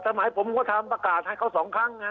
สมัยผมก็ทำประกาศให้เขา๒ครั้ง